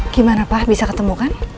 gimana pak bisa ketemu kan